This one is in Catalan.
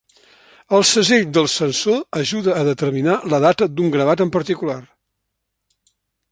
El segell del censor ajuda a determinar la data d'un gravat en particular.